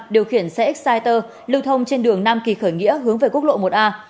điều khiển xe exciter lưu thông trên đường nam kỳ khởi nghĩa hướng về quốc lộ một a